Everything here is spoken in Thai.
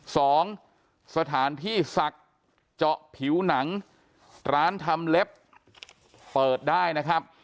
สองสถานที่ศักดิ์เจาะผิวหนังร้านทำเล็บเปิดได้นะครับ